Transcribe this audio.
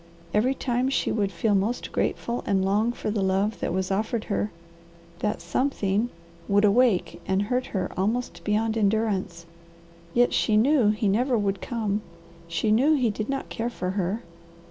Every time she would feel most grateful and long for the love that was offered her, that 'something' would awake and hurt her almost beyond endurance. Yet she knew he never would come. She knew he did not care for her.